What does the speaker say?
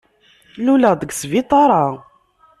Luleɣ-d deg sbiṭaṛ-a.